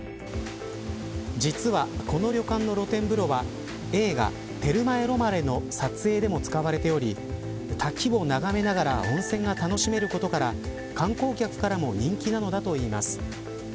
実は、この旅館の露天風呂は映画、テルマエ・ロマエの撮影でも使われており滝を眺めながら温泉が楽しめることから観光客からも人気なのだといいます。